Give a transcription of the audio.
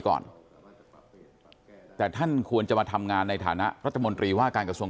ก่อนแต่ท่านควรจะมาทำงานในฐานะรัฐมนตรีว่าการกระทรวง